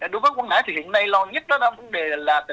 đối với quảng ngãi thì hiện nay lo nhất là tình trạng sạt lởi